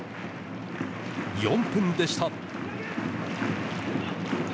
４分でした。